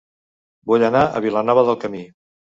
Vull anar a Vilanova del Camí